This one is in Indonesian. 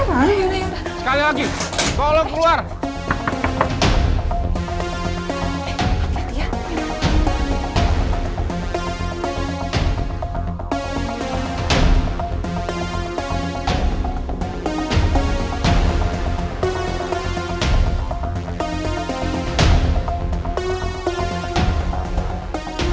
sekali lagi tolong keluar